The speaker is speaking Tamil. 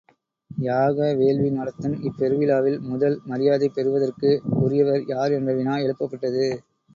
யாக வேள்வி நடத்தும் இப்பெருவிழாவில் முதல் மரியாதை பெறுவதற்கு உரியவர் யார் என்ற வினா எழுப்பப்பட்டது.